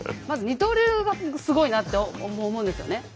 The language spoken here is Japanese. まず二刀流がすごいなって思うんですよね。